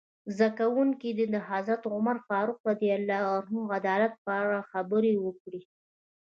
زده کوونکي دې د حضرت عمر فاروق رض عدالت په اړه خبرې وکړي.